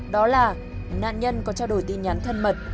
đó là nạn nhân có trao đổi tin nhắn thân mật